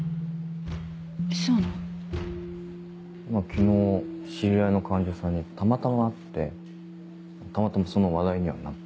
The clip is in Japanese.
昨日知り合いの患者さんにたまたま会ってたまたまその話題にはなった。